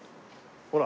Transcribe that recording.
ほら。